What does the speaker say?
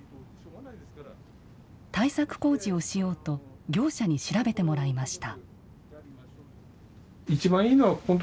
対策工事をしようと業者に調べてもらいました。